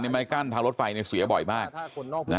ในไมร์กั้นทางรถไฟเนี่ยเสียบ่อยบ้าง